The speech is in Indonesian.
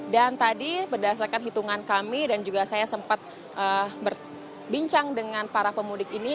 dan tadi berdasarkan hitungan kami dan juga saya sempat berbincang dengan para pemudik ini